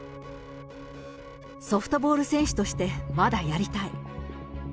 ソフトボール選手としてまだやりたい。